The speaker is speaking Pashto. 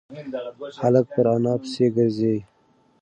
هلک پر انا پسې گرځي.